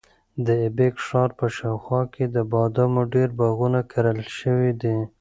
د ایبک ښار په شاوخوا کې د بادامو ډېر باغونه کرل شوي دي.